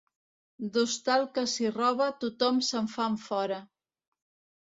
D'hostal que s'hi roba, tothom se'n fa enfora.